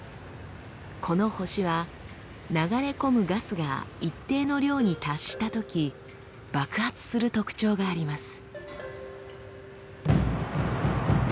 この星は流れ込むガスが一定の量に達したとき爆発する特徴があります。